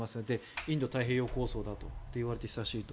インド太平洋構想だといわれて久しいと。